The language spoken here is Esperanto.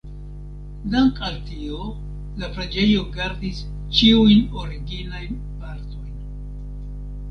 Dank' al tio la preĝejo gardis ĉiujn originajn partojn.